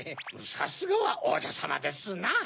さすがはおうじょさまですなぁ。